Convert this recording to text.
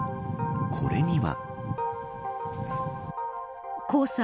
これには。